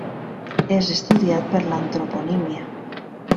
És estudiat per l'antroponímia.